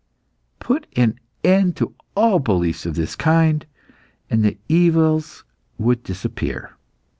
Put an end to all beliefs of this kind, and the evils would disappear.